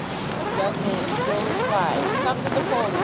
The young man still replied: 'Come to the pollis!